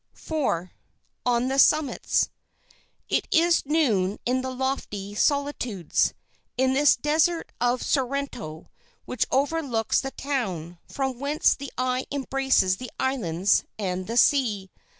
"IV. ON THE SUMMITS "It is noon in the lofty solitudes, in this Desert of Sorrento which overlooks the town, from whence the eye embraces the islands and the sea.